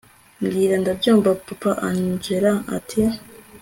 mbwira ndakumva! papa angella ati